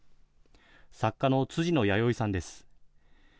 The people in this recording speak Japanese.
作家の辻野弥生さんです。